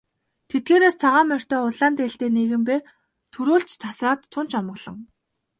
Тэдгээрээс цагаан морьтой улаан дээлтэй нэгэн бээр түрүүлж тасраад тун ч омголон.